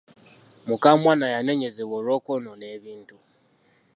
Mukamwana yaneenyezebwa olw'okwonoona ebintu.